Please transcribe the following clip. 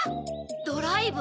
ドライブ？